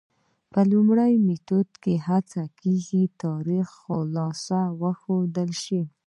په لومړي میتود کې هڅه کېږي تاریخ خالص وښودل شي.